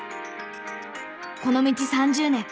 この道３０年。